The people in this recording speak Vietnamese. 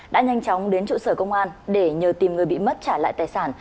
đã nhanh chóng đến trụ sở công an để nhờ tìm người bị mất trả lại tài sản